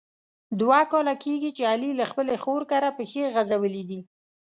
دوه کاله کېږي چې علي له خپلې خور کره پښې غزولي دي.